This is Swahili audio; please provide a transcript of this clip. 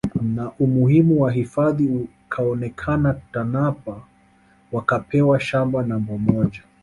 Na umuhimu wa hifadhi ukaonekana Tanapa wakapewa shamba namba moja